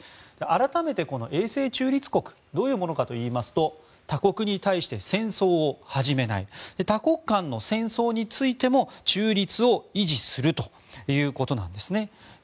改めて永世中立国どういうものかといいますと他国に対して戦争を始めない他国間の戦争についても中立を維持するということなんですね。